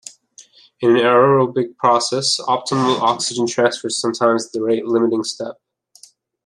In an aerobic process, optimal oxygen transfer is sometimes the rate limiting step.